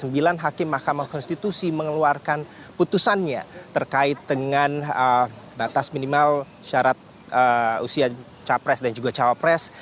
dan sembilan hakim mahkamah konstitusi mengeluarkan putusannya terkait dengan batas minimal syarat usia capres dan juga cawapres